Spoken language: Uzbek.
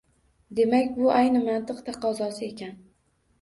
Demak, bu ayni mantiq taqozosi ekan.